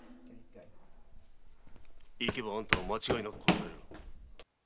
行けばあんたは間違いなく殺される。